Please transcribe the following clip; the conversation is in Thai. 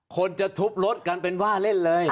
คนจะทุบรถกันเป็นว่าเล่นเลย